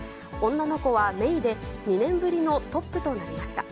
女の子はめいで２年ぶりのトップとなりました。